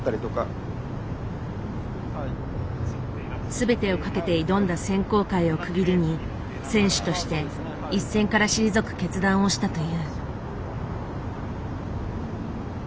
全てを懸けて挑んだ選考会を区切りに選手として一線から退く決断をしたという。